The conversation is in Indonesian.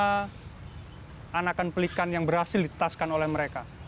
kami mencari pelikan yang berhasil ditetaskan oleh mereka